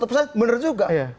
satu persen bener juga